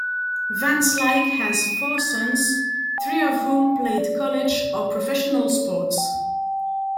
Van Slyke has four sons, three of whom played college or professional sports.